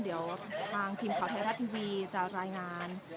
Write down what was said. เดี๋ยวทางทีมข่าวไทยรัฐทีวีจะรายงาน